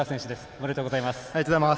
ありがとうございます。